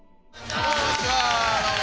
どうもこんにちは。